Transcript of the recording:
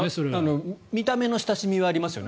見た目の親しみはありますよね。